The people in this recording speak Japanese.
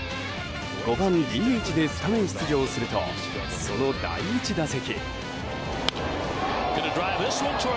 ５番ＤＨでスタメン出場するとその第１打席。